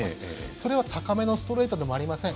それは高めのストレートでもありません。